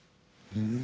うん。